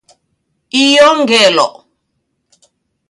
Iyo ngelo.